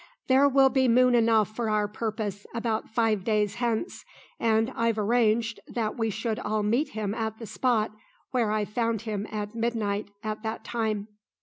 There will be moon enough for our purpose about five days hence, and I've arranged that we should all meet him at the spot where I found him at midnight at that time."